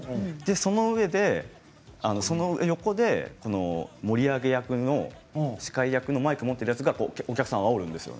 そのうえでその横で盛り上げ役の司会役のマイクを持ってるやつがお客さんをあおるんです。